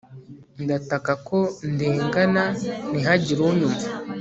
ndataka ko ndengana, ntihagire unyumva